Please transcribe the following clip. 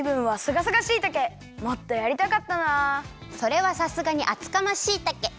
それはさすがにあつかましいたけ。